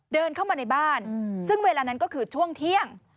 เดินเข้ามาในบ้านซึ่งเวลานั้นก็คือช่วงเที่ยง